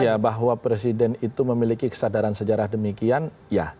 ya bahwa presiden itu memiliki kesadaran sejarah demikian ya